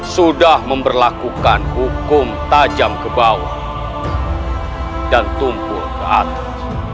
sudah memperlakukan hukum tajam ke bawah dan tumpul ke atas